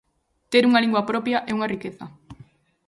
Ter unha lingua propia é unha riqueza.